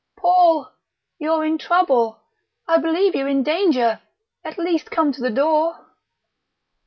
"Paul!... You're in trouble.... I believe you're in danger... at least come to the door!..."